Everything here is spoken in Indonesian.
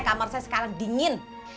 kamar saya sekarang dingin